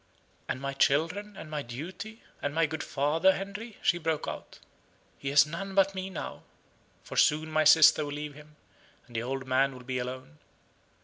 "And my children and my duty and my good father, Henry?" she broke out. "He has none but me now! for soon my sister will leave him, and the old man will be alone.